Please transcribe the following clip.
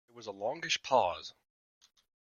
There was a longish pause.